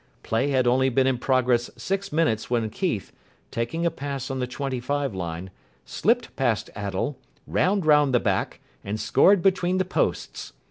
Play had only been in progress six minutes when Keith, taking a pass on the twenty five line, slipped past Attell, ran round the back, and scored between the posts.